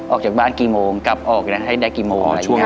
ออกจากบ้านกี่โมงกลับออกนะให้ได้กี่โมงอะไรอย่างนี้